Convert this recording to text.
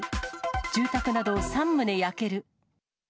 住宅など３棟焼ける。